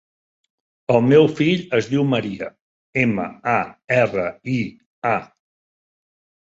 El meu fill es diu Maria: ema, a, erra, i, a.